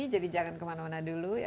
jadi jangan kemana mana dulu ya